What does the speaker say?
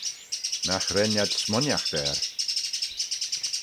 Nagh ren ad smooinaght er.